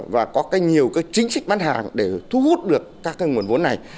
và có cái nhiều cái chính sách bán hàng để thu hút được các cái nguồn vốn này